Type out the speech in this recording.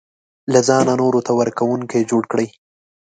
له ځانه نورو ته ورکوونکی جوړ کړي.